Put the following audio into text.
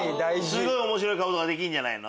すごい面白い顔とかできるんじゃないの？